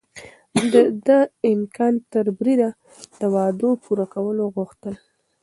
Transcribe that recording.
ده د امکان تر بريده د وعدو پوره کول غوښتل.